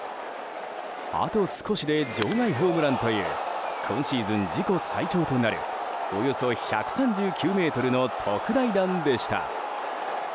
あと少しで場外ホームランという今シーズン自己最長となるおよそ１３９ｍの特大弾でした。